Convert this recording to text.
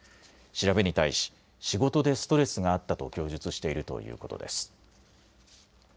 調べに対し仕事でストレスがあったと供述しているということです。